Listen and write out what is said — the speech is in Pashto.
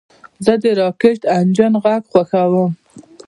زه د راکټ انجن غږ خوښوم.